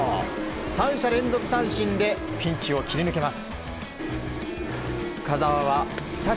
３者連続三振でピンチを切り抜けます。